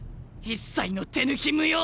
一切の手抜き無用！